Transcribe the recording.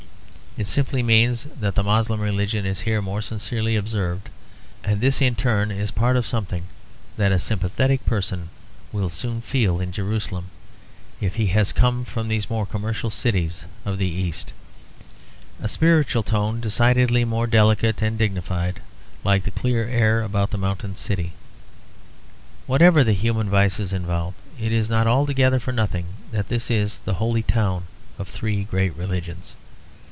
It simply means that the Moslem religion is here more sincerely observed; and this in turn is part of something that a sympathetic person will soon feel in Jerusalem, if he has come from these more commercial cities of the East; a spiritual tone decidedly more delicate and dignified, like the clear air about the mountain city. Whatever the human vices involved, it is not altogether for nothing that this is the holy town of three great religions.